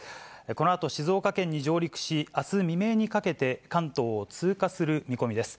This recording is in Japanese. このあと、静岡県に上陸し、あす未明にかけて、関東を通過する見込みです。